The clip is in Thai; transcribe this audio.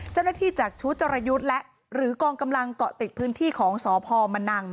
เจ้าหน้าที่ชุดจรยุทธ์หรือกลองกำลังเกาะติดพื้นที่ของสพม